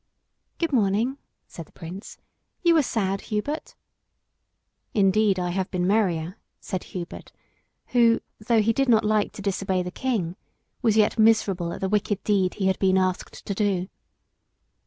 "Good morning," said the Prince. "You are sad, Hubert." "Indeed, I have been merrier," said Hubert, who, though he did not like to disobey the King, was yet miserable at the wicked deed he had been asked to do.